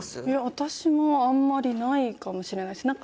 いや私もあんまりないかもしれないです。